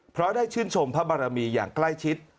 เพราะได้ชื่นชมพระบารมีอย่างใกล้ชิด